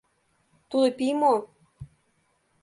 — Тудо пий мо?